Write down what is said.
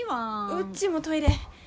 うちもトイレ。